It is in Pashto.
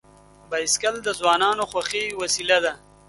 بایسکل د ځوانانو خوښي وسیله ده.